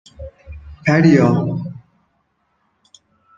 پریا